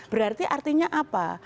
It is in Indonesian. berarti artinya apa